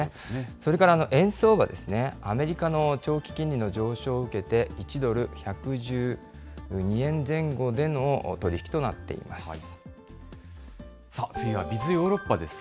それから円相場ですね、アメリカの長期金利の上昇を受けて、１ドル１１２円前後での取り引きとな次はＢｉｚヨーロッパです。